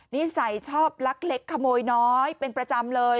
นิสัยชอบลักเล็กขโมยน้อยเป็นประจำเลย